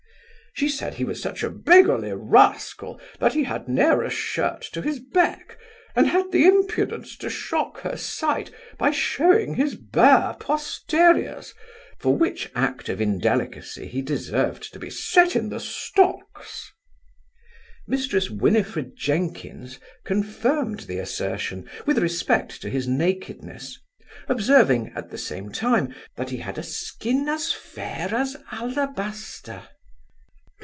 She said he was such a beggarly rascal that he had ne'er a shirt to his back, and had the impudence to shock her sight by shewing his bare posteriors, for which act of indelicacy he deserved to be set in the stocks. Mrs Winifred Jenkins confirmed the assertion, with respect to his nakedness, observing, at the same time, that he had a skin as fair as alabaster.